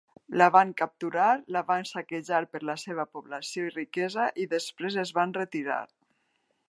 La van capturar, la van saquejar per la seva població i riquesa, i després es van retirar.